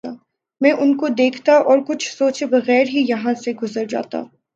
میں ان کو دیکھتا اور کچھ سوچے بغیر ہی یہاں سے گزر جاتا